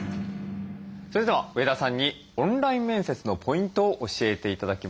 それでは上田さんにオンライン面接のポイントを教えて頂きます。